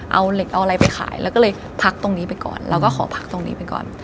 เอาเหล็กเอาอะไรไปขายแล้วก็เลยพักตรงนี้ไปก่อนแล้วก็ขอพักตรงนี้ไปก่อน